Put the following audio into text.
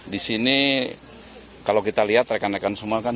di sini kalau kita lihat rekan rekan semua kan